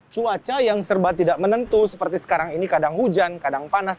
cuaca yang serba tidak menentu seperti sekarang ini kadang hujan kadang panas